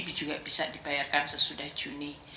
ini juga bisa dibayarkan sesudah juni